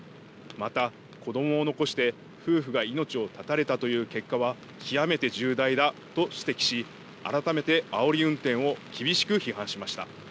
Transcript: また子どもを残して夫婦が命を絶たれたという結果は極めて重大だと指摘し改めてあおり運転を厳しく批判しました。